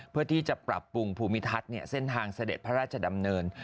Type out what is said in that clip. เพื่อที่จะปรับปรุงภูมิทัศน์เส้นทางเสด็จพระราชดำเนิน